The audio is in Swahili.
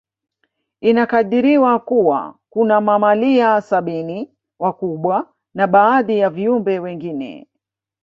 Inakadiriwa Kuwa kuna mamalia sabini wakubwa na baadhi ya viumbe wengine